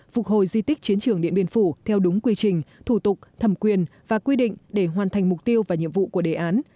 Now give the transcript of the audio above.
phục hồi di tích chiến trường điện biên phủ theo đúng quy trình thủ tục thẩm quyền và quy định để hoàn thành mục tiêu và nhiệm vụ của đề án